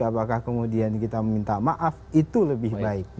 apakah kemudian kita meminta maaf itu lebih baik